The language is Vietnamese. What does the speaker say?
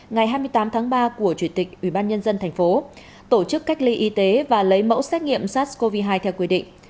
ngày hai mươi tám tháng ba của chủ tịch ubnd tp tổ chức cách ly y tế và lấy mẫu xét nghiệm sars cov hai theo quy định